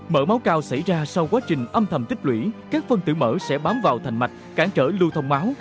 mở máu cao xảy ra sau quá trình âm thầm tích lũy các phân tử mở sẽ bám vào thành mạch cản trở lưu thông máu